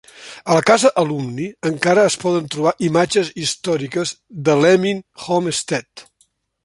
A la casa Alumni encara es poden trobar imatges històriques de l"Emin Homestead.